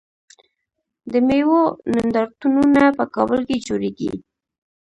د میوو نندارتونونه په کابل کې جوړیږي.